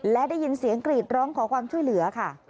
และได้ยินเสียงกรีดร้องขอความช่วยเหลือค่ะ